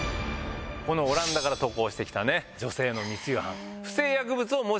このオランダから渡航してきた女性の密輸犯。